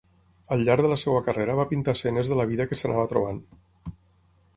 Al llarg de la seva carrera va pintar escenes de la vida que s'anava trobant.